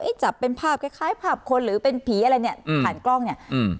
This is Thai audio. จับเป็นภาพคล้ายคล้ายภาพคนหรือเป็นผีอะไรเนี้ยอืมผ่านกล้องเนี้ยอืม